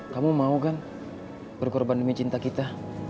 kamu mau kan berkorban demi cinta kita